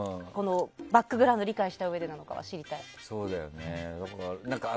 バックグラウンドを理解したうえでなのかは知りたい。